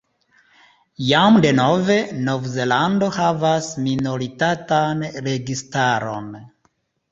Jam denove Nov-Zelando havas minoritatan registaron.